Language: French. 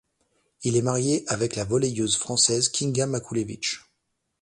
Il est marié avec la volleyeuse française Kinga Maculewicz.